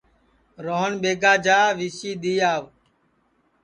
روہن ٻیگا جا وی سی دؔی آو